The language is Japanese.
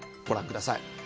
ご覧ください。